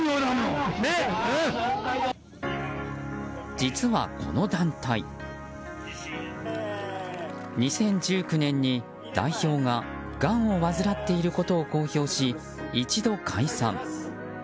実は、この団体２０１９年に、代表ががんを患っていることを公表し一度、解散。